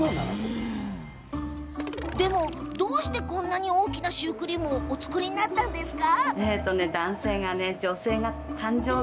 でも、どうしてこんな大きなシュークリームをお作りになったんですか？